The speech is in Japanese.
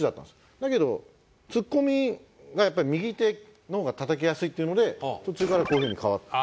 だけどツッコミがやっぱり右手の方がたたきやすいっていうので途中からこういう風に変わった。